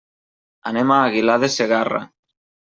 Anem a Aguilar de Segarra.